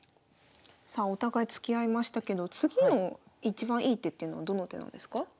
さあお互い突き合いましたけど次のいちばんいい手っていうのはどの手なんですか？